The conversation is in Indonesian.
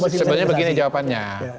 sebenarnya begini jawabannya